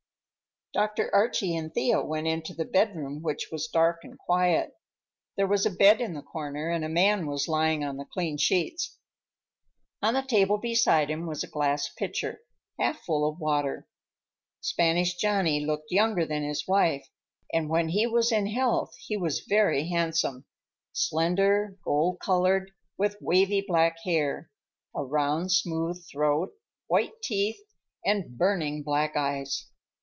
Dr. Archie and Thea went into the bedroom, which was dark and quiet. There was a bed in the corner, and a man was lying on the clean sheets. On the table beside him was a glass pitcher, half full of water. Spanish Johnny looked younger than his wife, and when he was in health he was very handsome: slender, gold colored, with wavy black hair, a round, smooth throat, white teeth, and burning black eyes.